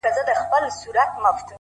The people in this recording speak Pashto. د گناهونو شاهدي به یې ویښتان ورکوي،